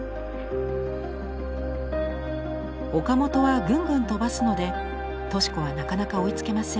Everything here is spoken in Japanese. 岡本はぐんぐん飛ばすので敏子はなかなか追いつけません。